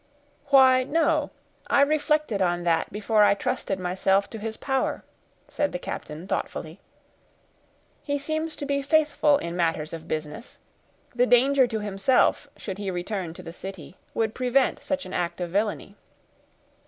"Why—no; I reflected on that before I trusted myself to his power," said the captain, thoughtfully. "He seems to be faithful in matters of business. The danger to himself, should he return to the city, would prevent such an act of villainy."